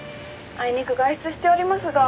「あいにく外出しておりますが」